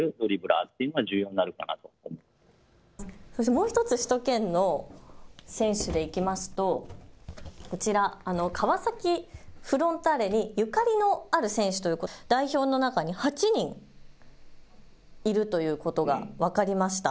もう１つ、首都圏の選手でいきますとこちら川崎フロンターレにゆかりのある選手ということで代表の中で１８人いるということが分かりました。